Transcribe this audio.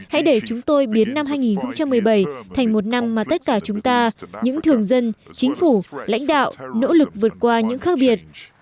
hãy để chúng tôi biến năm hai nghìn một mươi bảy thành một năm mà tất cả chúng ta những thường dân chính phủ lãnh đạo nỗ lực vượt qua những khác biệt